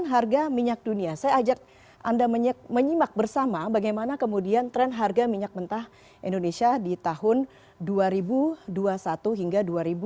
harga minyak dunia saya ajak anda menyimak bersama bagaimana kemudian tren harga minyak mentah indonesia di tahun dua ribu dua puluh satu hingga dua ribu dua puluh dua